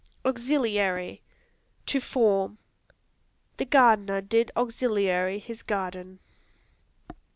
Auxiliary To form; "The gardener did auxiliary his garden."